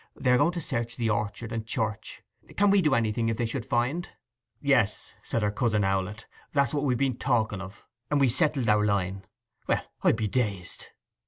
'They are going to search the orchet and church; can we do anything if they should find?' 'Yes,' said her cousin Owlett. 'That's what we've been talking o', and we have settled our line. Well, be dazed!